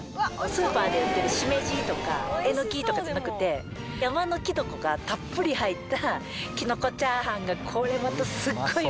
スーパーで売ってるしめじとかえのきとかじゃなくて山のきのこがたっぷり入ったきのこチャーハンがこれまたすっごい